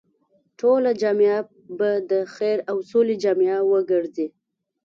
ټوله جامعه به د خير او سولې جامعه وګرځي.